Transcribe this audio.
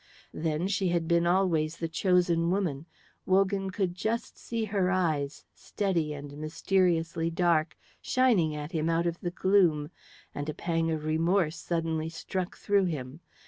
Then she had been always the chosen woman. Wogan could just see her eyes, steady and mysteriously dark, shining at him out of the gloom, and a pang of remorse suddenly struck through him.